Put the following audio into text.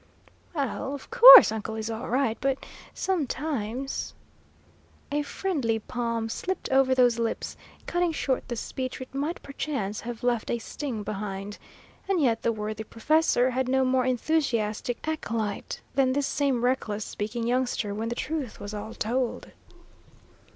"Well, of course uncle is all right, but sometimes " A friendly palm slipped over those lips, cutting short the speech which might perchance have left a sting behind. And yet the worthy professor had no more enthusiastic acolyte than this same reckless speaking youngster, when the truth was all told.